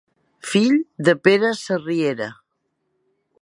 Fill de Pere Sarriera.